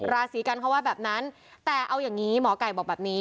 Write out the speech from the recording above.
ราศีกันเขาว่าแบบนั้นแต่เอาอย่างนี้หมอไก่บอกแบบนี้